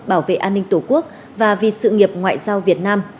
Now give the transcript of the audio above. bảo vệ an ninh tổ quốc và vì sự nghiệp ngoại giao việt nam